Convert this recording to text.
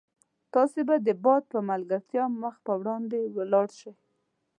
تاسي به د باد په ملګرتیا مخ په وړاندې ولاړ شئ.